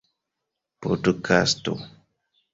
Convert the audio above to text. podkasto